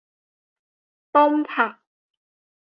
ต้มผัก